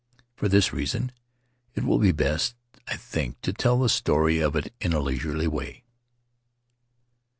For this reason it will be best, I think, to tell the story of it in a leisurely way.